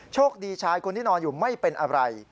โชคดีชายคนที่นอนอยู่ไม่เป็นอะไร